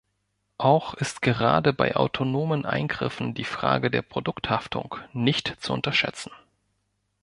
Auch ist gerade bei autonomen Eingriffen die Frage der Produkthaftung nicht zu unterschätzen.